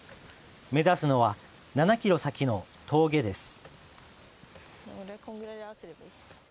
目指すのは７キロ先の峠です。